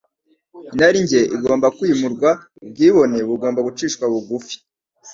Inarijye igomba kwimurwa, ubwibone bugomba gucishwa bugufi,